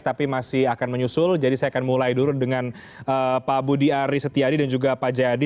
tapi masih akan menyusul jadi saya akan mulai dulu dengan pak budi ari setiadi dan juga pak jayadi